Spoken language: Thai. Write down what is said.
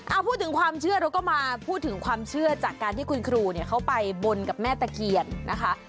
เอาพูดถึงความเชื่อเราก็มาพูดถึงความเชื่อจากการที่คุณครูเนี่ยเขาไปบนกับแม่ตะเคียนนะคะ